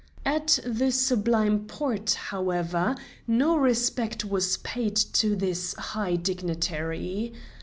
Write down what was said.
At the Sublime Porte, however, no respect was paid to this high dignitary.